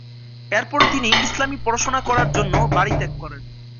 এরপরেই তিনি ইসলামী পড়াশোনা করার জন্য বাড়ি ত্যাগ করেন।